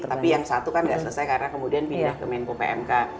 tapi yang satu kan nggak selesai karena kemudian pindah ke menko pmk